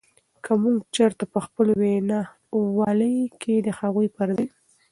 د که مونږ چرته په خپلې وینا والۍ کې د هغوئ پر